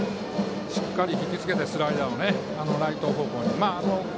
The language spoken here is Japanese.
しっかり引き付けてスライダーをライト方向に。